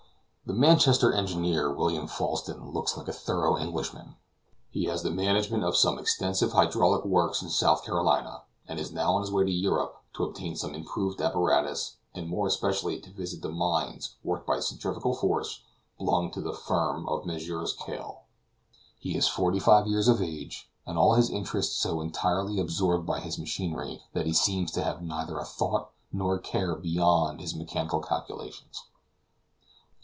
The Manchester engineer, William Falsten, looks like a thorough Englishman. He has the management of some extensive hydraulic works in South Carolina, and is now on his way to Europe to obtain some improved apparatus, and more especially to visit the mines worked by centrifugal force, belonging to the firm of Messrs. Cail. He is forty five years of age, with all his interests so entirely absorbed by his machinery that he seems to have neither a thought nor a care beyond his mechanical calculations.